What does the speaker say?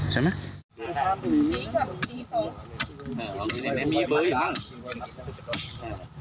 ใช่ไหม